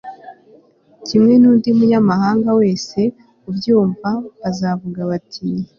kimwe n'undi munyabuhanga wese ubyumva, bazavuga bati